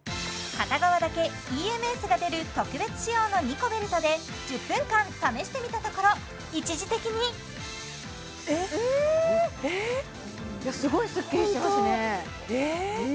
片側だけＥＭＳが出る特別仕様のニコベルトで１０分間試してみたところ一時的にいやすごいスッキリしてますねホントえ！